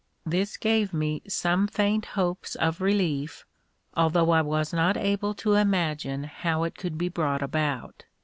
This gave me some faint hopes of relief, although I was not able to imagine how it could be brought about.